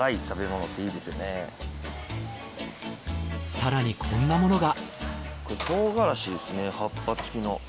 更にこんなものが。